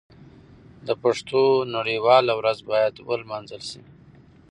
د پښتو نړیواله ورځ باید ونمانځل شي.